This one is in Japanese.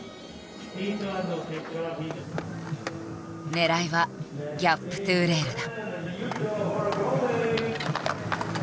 狙いは「ギャップｔｏレール」だ。